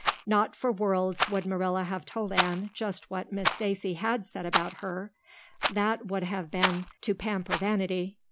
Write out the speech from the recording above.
Not for worlds would Marilla have told Anne just what Miss Stacy had said about her; that would have been to pamper vanity.